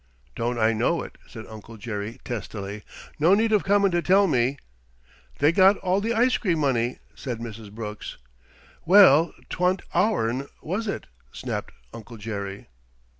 "Don't I know it?" said Uncle Jerry testily. "No need of comin' to tell me." "They got all the ice cream money," said Mrs. Brooks. "Well, 'twa'n't ourn, was it?" snapped Uncle Jerry.